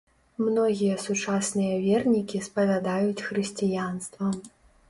Многія сучасныя вернікі спавядаюць хрысціянства.